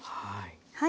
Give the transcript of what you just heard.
はい。